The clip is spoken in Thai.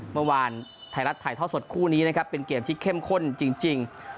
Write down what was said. เมื่อวานไทยรัฐถ่ายทอดสดคู่นี้นะครับเป็นเกมที่เข้มข้นจริง